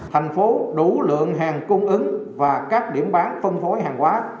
thành phố đủ lượng hàng cung ứng và các điểm bán phân phối hàng quá